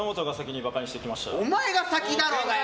お前が先だろうがよ！